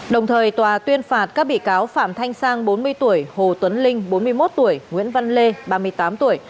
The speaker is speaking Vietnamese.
đồng thời tòa tuyên phạt các bị cáo phạm thanh sang bốn mươi tuổi hồ tuấn linh bốn mươi một tuổi nguyễn văn lê ba mươi tám tuổi